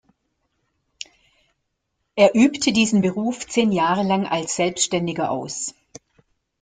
Er übte diesen Beruf zehn Jahre lang als Selbstständiger aus.